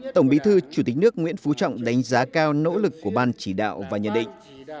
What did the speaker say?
tổng bí thư chủ tịch nước nguyễn phú trọng đánh giá cao nỗ lực của ban chỉ đạo và nhân định